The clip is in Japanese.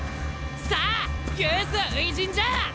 さあユース初陣じゃあ！